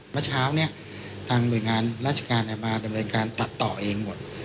เมื่อเช้าเนี่ยทางหน่วยงานราชการมาดำเนินการตัดต่อเองหมด